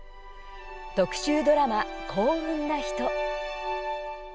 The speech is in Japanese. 特集ドラマ「幸運なひと」。